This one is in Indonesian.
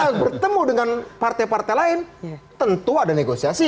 kalau bertemu dengan partai partai lain tentu ada negosiasi